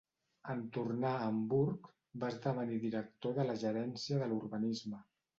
En tornar a Hamburg, va esdevenir director de la gerència de l'urbanisme.